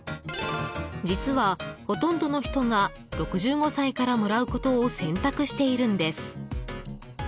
実は、ほとんどの人が６５歳からもらうことを選択しているんです。